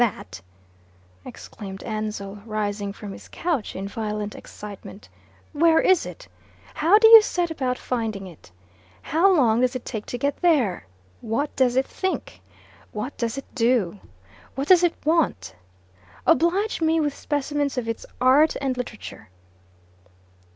That," exclaimed Ansell, rising from his couch in violent excitement. "Where is it? How do you set about finding it? How long does it take to get there? What does it think? What does it do? What does it want? Oblige me with specimens of its art and literature."